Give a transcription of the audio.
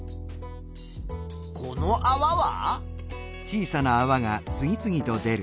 このあわは？